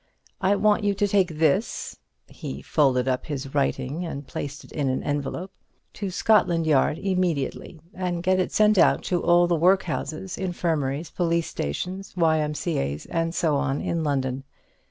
I want you to take this"—he folded up his writing and placed it in an envelope—"to Scotland Yard immediately and get it sent out to all the workhouses, infirmaries, police stations, Y. M. C. A.'s and so on in London.